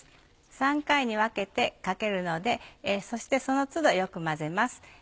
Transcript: ３回に分けてかけるのでそしてその都度よく混ぜます。